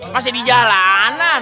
masih di jalanan